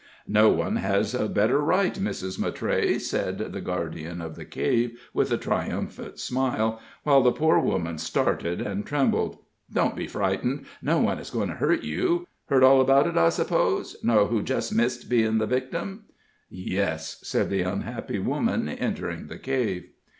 "No one has a better right, Mrs. Mattray," said the guardian of the cave, with a triumphant smile, while the poor woman started and trembled. "Don't be frightened no one is going to hurt you. Heard all about it, I suppose? know who just missed being the victim?" "Yes," said the unhappy woman, entering the cave.